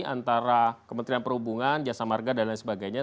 antara kementerian perhubungan jasa marga dan lain sebagainya